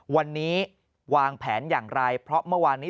วันนี้วางแผนอย่างไรเพราะเมื่อวานนี้